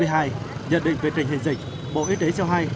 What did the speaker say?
nhận định về tình hình dịch bộ y tế cho hay